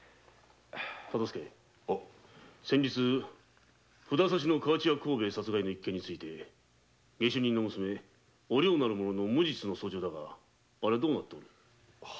忠相先日の札差し河内屋幸兵ヱの一件について下手人の娘お涼からの無実の訴状だがあれはどうなっておる？